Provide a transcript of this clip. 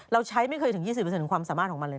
เราใช้ไม่เคยถึง๒๐ความสามารถของมันเลย